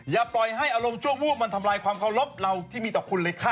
อย่าปล่อยให้อารมณ์ชั่ววูบมันทำลายความเคารพเราที่มีต่อคุณเลยค่ะ